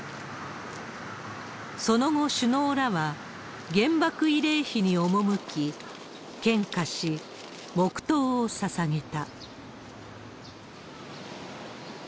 その後、首脳らは原爆慰霊碑に赴き、献花し、黙とうをささげた。